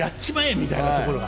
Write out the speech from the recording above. みたいなところが。